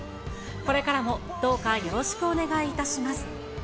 これからもどうかよろしくお願いいたします。